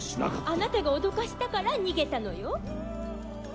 あなたが脅かしたから逃げたのよ。